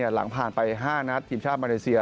หลังผ่านไป๕นัดทีมชาติมาเลเซีย